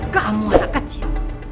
kamu anak kecil